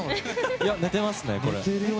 いや、寝てますね、これは。